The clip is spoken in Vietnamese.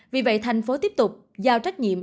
vì vậy thành phố tiếp tục giao trách nhiệm